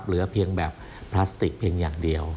เหลือเพียงแบบพลาสติกเพียงอย่างเดียว